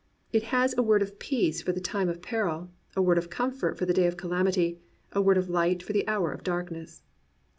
It has a word of peace for the time of peril, a word of comfort for the day of calamity y a word of light for the hour of darkness.